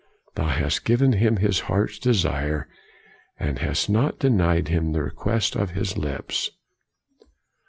Thou hast given him his heart's desire, and hast not denied him the request of his lips.